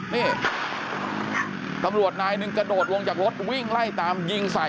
นี่ตำรวจนายหนึ่งกระโดดลงจากรถวิ่งไล่ตามยิงใส่